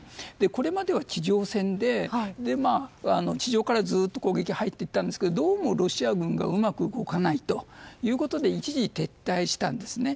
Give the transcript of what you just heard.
これまでは地上戦で地上からずっと攻撃を入っていたんですがどうも、ロシア軍がうまく動かないということで一時撤退していたんですね。